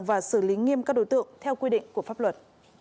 và xử lý nghiêm các đối tượng theo quy định của pháp luật